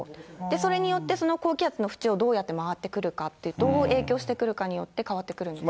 それによってその高気圧の縁をどうやって回ってくるかって、どう影響してくるかによって変わってくるという。